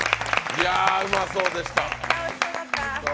いやー、うまそうでした。